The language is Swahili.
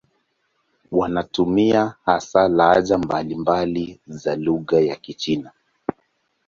Wanatumia hasa lahaja mbalimbali za lugha ya Kichina.